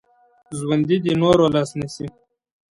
ژوندي د نورو لاس نیسي